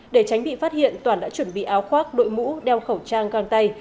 để tránh bị phát hiện toản đã chuẩn bị áo khoác đội mũ đeo khẩu trang càng tay